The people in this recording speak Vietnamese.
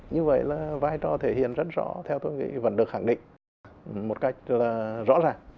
như vậy là vai trò thể hiện rất rõ theo tôi nghĩ vẫn được khẳng định một cách rõ ràng